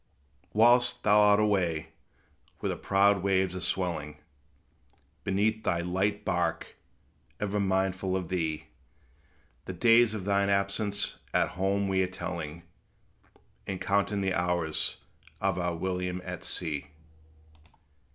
Whilst thou art away, where the proud waves are swelling Beneath thy light bark, ever mindful of thee, The days of thine absence, at home we are telling, And counting the hours of our William at sea.